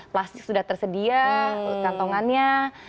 plastik sudah tersedia kantongannya